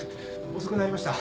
遅くなりました。